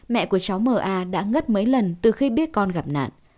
mẹ của cháu m a đã ngất mấy lần từ khi biết con gặp nạn